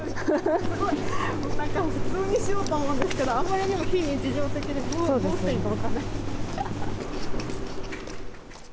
もうなんか普通にしようと思うんですけどあんまりにも非日常的でどうしていいか分かんない。